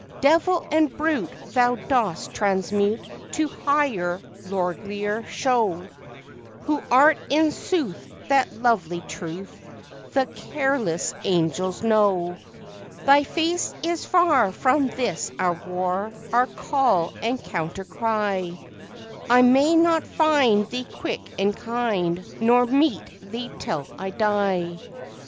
Devil and brute Thou dost transmute To higher, lordlier show, Who art in sooth that lovely Truth The careless angels know! _Thy face is far from this our war, Our call and counter cry, I may not find Thee quick and kind, Nor meet Thee till I die.